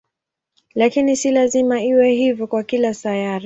Lakini si lazima iwe hivyo kwa kila sayari.